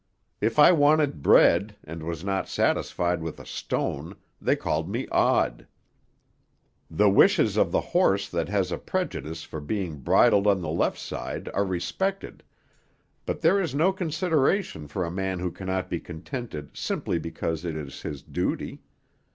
If I wanted bread, and was not satisfied with a stone, they called me 'odd.' The wishes of the horse that has a prejudice for being bridled on the left side are respected, but there is no consideration for a man who cannot be contented simply because it is his duty.